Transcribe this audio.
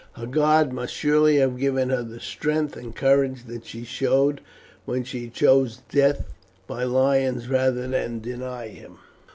Her God must surely have given her the strength and courage that she showed when she chose death by lions rather than deny Him."